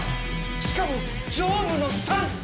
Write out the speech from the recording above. しかも常務の参！